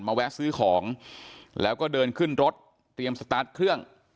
แวะซื้อของแล้วก็เดินขึ้นรถเตรียมสตาร์ทเครื่อง